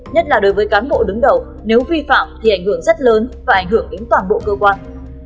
nhất là đối với cán bộ đứng đầu nếu vi phạm thì ảnh hưởng rất lớn và ảnh hưởng đến toàn bộ cơ quan